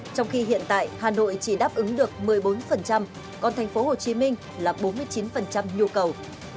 trong khi hiện tại hà nội chỉ đáp ứng được một mươi bốn còn thành phố hồ chí minh là bốn mươi chín nhu cầu